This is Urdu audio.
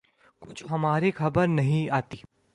کچھ ہماری خبر نہیں آتی